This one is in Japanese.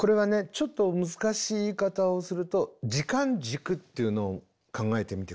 ちょっと難しい言い方をすると時間軸っていうのを考えてみて下さい。